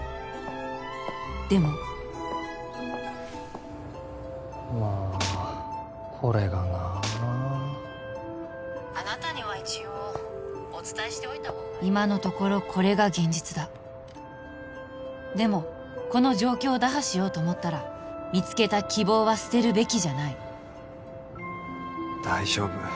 でもまあこれがなあなたには一応お伝えしておいたほうが今のところこれが現実だでもこの状況を打破しようと思ったら見つけた希望は捨てるべきじゃない大丈夫